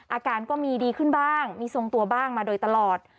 อาการก็มีดีขึ้นบ้างมีทรงตัวบ้างมาโดยตลอด